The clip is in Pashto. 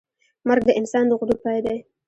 مرګ د انسان د غرور پای دی.